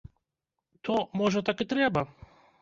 То, можа, так і трэба?